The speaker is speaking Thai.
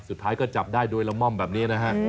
สุดท้ายก็จับได้โดยละม่อมแบบนี้นะฮะ